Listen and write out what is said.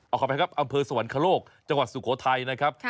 เอาเข้าไปครับอำเภอสวรรคโลกจังหวัดสุโขทัยนะครับ